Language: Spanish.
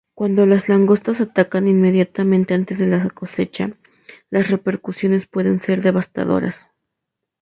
Cuando las langostas atacan inmediatamente antes de la cosecha, las repercusiones pueden ser devastadoras.